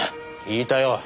聞いたよ。